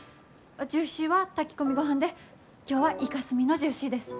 ジューシーは炊き込みごはんで今日はイカスミのジューシーです。